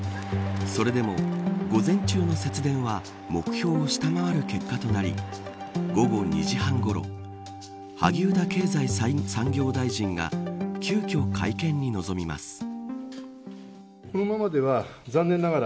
それでも、午前中の節電は目標を下回る結果となり午後２時半ごろ萩生田経済産業大臣が急きょ、会見に臨みます。